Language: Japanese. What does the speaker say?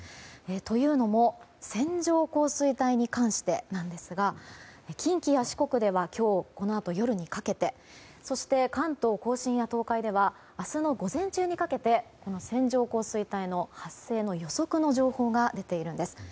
というのも線状降水帯に関してなんですが近畿や四国では今日このあと夜にかけてそして、関東・甲信や東海では明日の午前中にかけて線状降水帯の発生の予測の情報が出ているんです。